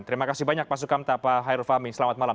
terima kasih banyak pak sukamta pak hairul fahmi selamat malam